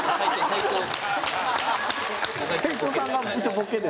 斎藤さんが一応ボケで。